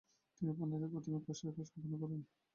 তিনি উপন্যাসের প্রাথমিক খসড়ার কাজ সম্পূর্ণ করেন।